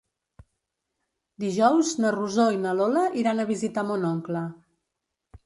Dijous na Rosó i na Lola iran a visitar mon oncle.